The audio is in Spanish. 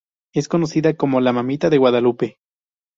Es conocida como la "Mamita de Guadalupe".